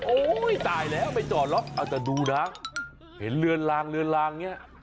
โอ้ย่วตายแล้วไม่จอดหรอกแต่ดูนะเห็นเรือนลางเนี่ย